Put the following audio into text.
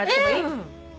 うん。